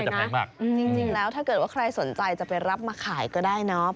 จริงแล้วถ้าเกิดว่าใครสนใจจะไปรับมาขายก็ได้เนาะ